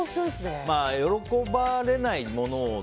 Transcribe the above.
喜ばれないものを。